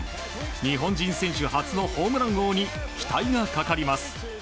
日本人選手初のホームラン王に期待がかかります。